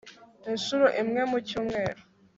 incuro imwe mu cyumweru